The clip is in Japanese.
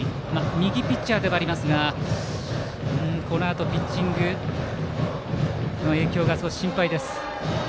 右ピッチャーですがこのあとのピッチングへの影響が少し心配です。